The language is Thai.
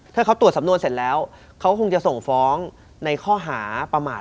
ถ้าเขาตรวจสำนวนเสร็จแล้วเขาคงจะส่งฟ้องในข้อหาประมาท